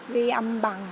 ghi âm bằng